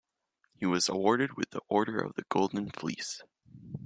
He was awarded with the Order of the Golden Fleece.